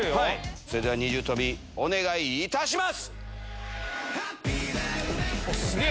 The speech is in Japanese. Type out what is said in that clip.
それでは二重跳び、お願いいすげぇ。